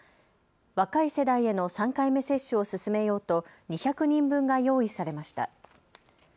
若い世代への３回目接種を進めようと２００人分が用意されました。